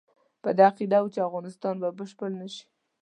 په دې عقیده وو چې افغانستان به بشپړ نه شي.